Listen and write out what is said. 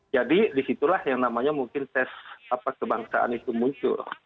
jadi disitulah yang namanya mungkin tes kebangsaan itu muncul